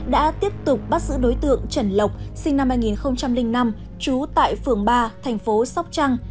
đã tiếp tục bắt giữ đối tượng trần lộc sinh năm hai nghìn năm trú tại phường ba thành phố sóc trăng